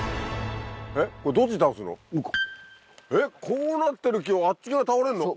こうなってる木をあっち側倒れるの？